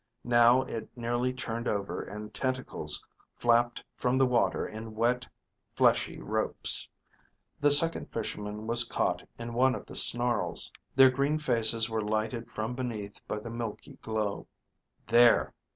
Now it nearly turned over, and tentacles flapped from the water in wet, fleshy ropes. The Second Fisherman was caught in one of the snarls. Their green faces were lighted from beneath by the milky glow. (_There....